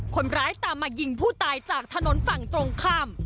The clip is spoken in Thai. คนร้ายตามมายิงผู้ตายจากถนนฝั่งตรงข้าม